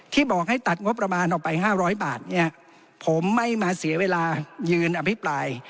บอกให้ตัดงบประมาณออกไป๕๐๐บาทเนี่ยผมไม่มาเสียเวลายืนอภิปราย